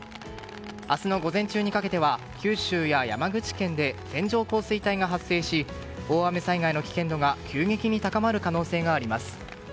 明日の午前中にかけては九州や山口県で線状降水帯が発生し大雨災害の危険度が急激に高まる可能性があります。